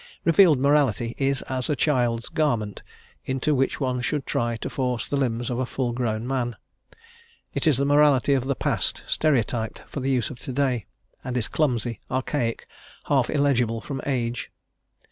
Revealed morality is as a child's garment, into which one should try to force the limbs of a full grown man; it is the morality of the past stereotyped for the use of today, and is clumsy, archaic, half illegible from age.